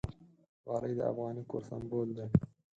غالۍ د افغاني کور سِمبول ده.